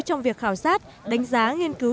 trong việc khảo sát đánh giá nghiên cứu